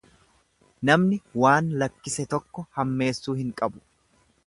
Namni waan lakkise tokko hammeessuu hin qabu.